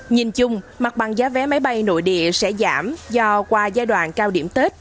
nhìn chung mặt bằng giá vé máy bay nội địa sẽ giảm do qua giai đoạn cao điểm tết